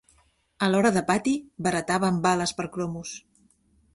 A l'hora del pati, barataven bales per cromos.